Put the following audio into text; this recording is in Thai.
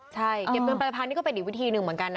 ใช่เก็บเงินปลายพันธุนี่ก็เป็นอีกวิธีหนึ่งเหมือนกันนะ